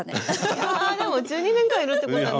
いやあでも１２年間いるってことはね。